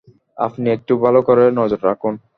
আপনি একটু ভালো করে নজর রাখুন।